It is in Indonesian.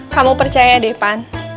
kamu percaya deh pan